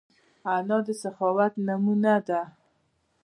انا د سخاوت نمونه ده